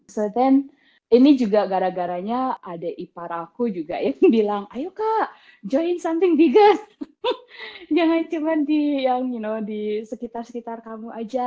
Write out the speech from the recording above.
so than ini juga gara garanya ada ipar aku juga yang bilang ayo kak join something biggest jangan cuma di yang di sekitar sekitar kamu aja